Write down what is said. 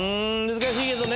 難しいけどね。